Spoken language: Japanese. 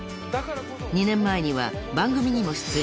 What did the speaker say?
［２年前には番組にも出演］